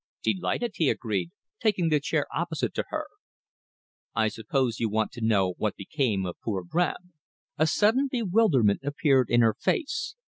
"Delighted," he agreed, taking the chair opposite to her. "I suppose you want to know what became of poor Graham?" A sudden bewilderment appeared in her face.